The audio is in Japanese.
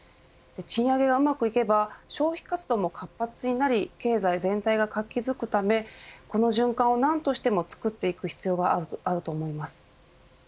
賃上げがうまくいけば消費活動も活発になり経済全体が活気づくためこの循環を何としても作っていく必要があると思います。